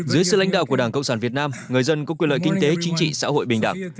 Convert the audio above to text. dưới sự lãnh đạo của đảng cộng sản việt nam người dân có quyền lợi kinh tế chính trị xã hội bình đẳng